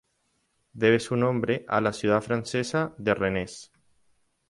Debe su nombre a la ciudad francesa de Rennes.